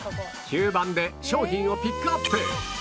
吸盤で商品をピックアップ